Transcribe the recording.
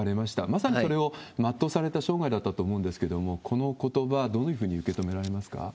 まさにそれをまっとうされた生涯だったと思うんですけれども、このことば、どういうふうに受け止められますか？